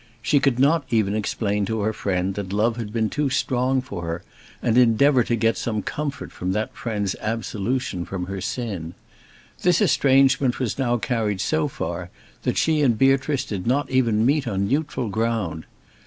She could not even explain to her friend that love had been too strong for her, and endeavour to get some comfort from that friend's absolution from her sin. This estrangement was now carried so far that she and Beatrice did not even meet on neutral ground.